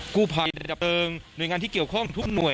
กูภายในระดับเบลิงโดยงานที่เกี่ยวข้องทุกหน่วย